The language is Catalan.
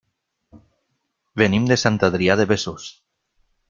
Venim de Sant Adrià de Besòs.